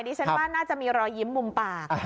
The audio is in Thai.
ดิฉันว่าน่าจะมีรอยยิ้มมุมปาก